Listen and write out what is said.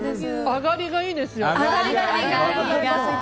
上がりがいいですね。